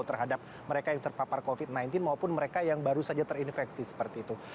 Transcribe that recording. terhadap mereka yang terpapar covid sembilan belas maupun mereka yang baru saja terinfeksi seperti itu